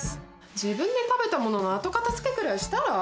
自分で食べたものの後片づけくらいしたら？